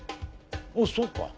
おっそうか。